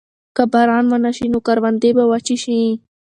که باران ونه شي نو کروندې به وچې شي.